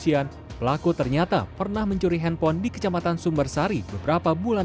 kepolisian pelaku ternyata pernah mencuri handphone di kecamatan sumbersari beberapa bulan